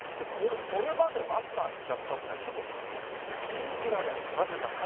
それまでマスターしちゃったっていうのは、ちょっと信じられない。